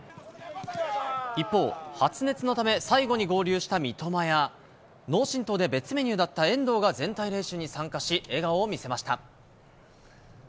一方、発熱のため、最後に合流した三笘や、脳震とうで別メニューだった遠藤が全体練習に参加し、笑顔を見せました。